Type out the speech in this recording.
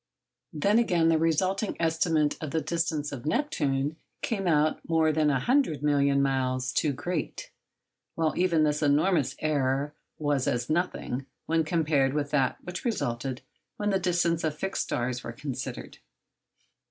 Then, again, the resulting estimate of the distance of Neptune came out more than a hundred million miles too great; while even this enormous error was as nothing when compared with that which resulted when the distances of the fixed stars were considered.